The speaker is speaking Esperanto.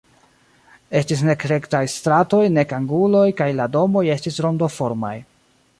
Estis nek rektaj stratoj nek anguloj kaj la domoj estis rondoformaj.